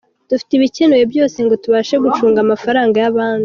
Dufite ibikenewe byose ngo tubashe gucunga amafaranga y’abandi.